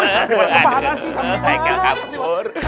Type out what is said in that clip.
sampai keluar kabur